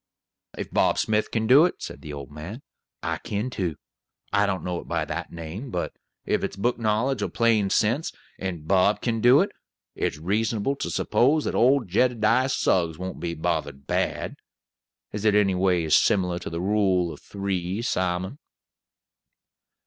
"If Bob Smith kin do it," said the old man, "I kin, too. I don't know it by that name; but if it's book knowledge or plain sense, and Bob kin do it, it's reasonable to s'pose that old Jed'diah Suggs won't be bothered bad. Is it any ways similyar to the rule of three, Simon?"